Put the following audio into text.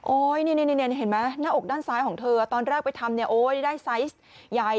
นี่เห็นไหมหน้าอกด้านซ้ายของเธอตอนแรกไปทำเนี่ยโอ๊ยได้ไซส์ใหญ่